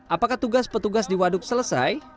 apakah tugas petugas di waduk selesai